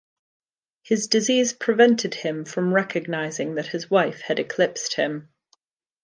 His disease prevented him from recognizing that his wife had eclipsed him.